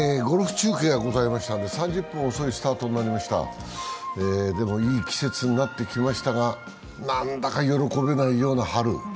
ゴルフ中継がございましたので３０分遅い放送になりましたがでも、いい季節になってきましたが何だか喜べないような春。